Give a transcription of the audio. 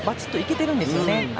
ばちっといけてるんです